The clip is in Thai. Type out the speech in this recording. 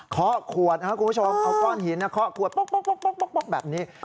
ขอขวดครับคุณผู้ชมเอาก้อนหินเคาะขวดป๊อกแบบนี้